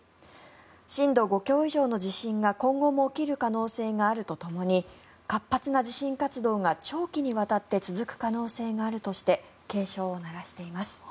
震度５強以上の地震が今後も起きる可能性があるとともに活発な地震活動が長期にわたって続く可能性があるとして警鐘を鳴らしています。